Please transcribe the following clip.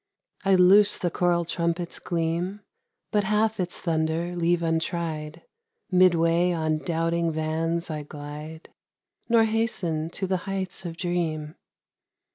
I loose the choral trumpet's gleam, But half its thunder leave untried ; Midway on doubting vans I glide, Nor hasten to the heights of dream.